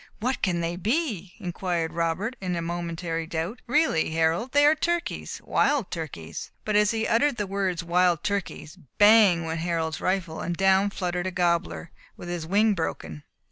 "What can they be!" inquired Robert, in momentary doubt. "Really, Harold, they are turkeys! wild turkeys!" But as he uttered the words "wild turkeys," bang! went Harold's rifle, and down fluttered a gobler, with his wing broken.